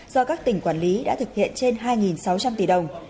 do các tỉnh quản lý đã thực hiện trên hai sáu trăm linh tỷ đồng